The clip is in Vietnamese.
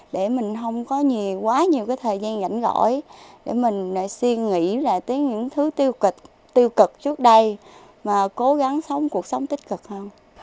để mình không có quá nhiều thời gian rảnh rỗi để mình suy nghĩ lại tới những thứ tiêu cực trước đây mà cố gắng sống cuộc sống tích cực hơn